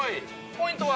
ポイントは？